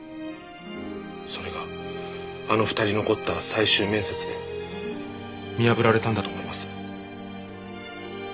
それがあの２人残った最終面接で見破られたんだと思います。